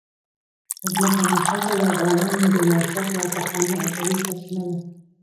ځمکنی شکل د افغانانو د معیشت یوه پخوانۍ او طبیعي سرچینه ده.